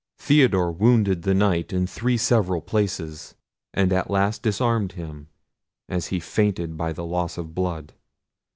Theodore wounded the Knight in three several places, and at last disarmed him as he fainted by the loss of blood.